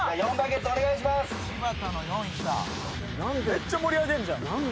めっちゃ盛り上げんじゃん。